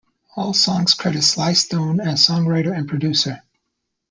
All songs credit Sly Stone as songwriter and producer.